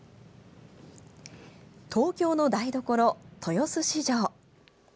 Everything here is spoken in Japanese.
東京の台所・豊洲市場。